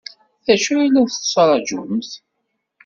D acu i la tettṛaǧumt?